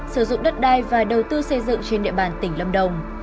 sử dụng đất đai và đầu tư xây dựng trên địa bàn tỉnh lâm đồng